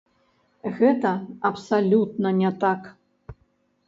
Гэта абсалютна не так!